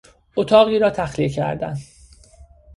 اتاقی را تخلیه کردن